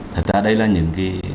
thật ra đây là những cái